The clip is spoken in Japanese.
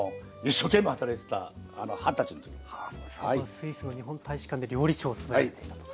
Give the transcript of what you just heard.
スイスの日本大使館で料理長を務めていたと。